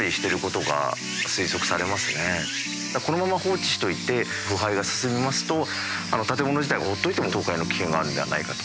このまま放置しておいて腐敗が進みますと建物自体が放っておいても倒壊の危険があるのではないかと。